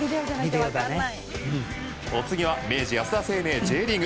お次は明治安田生命Ｊリーグ。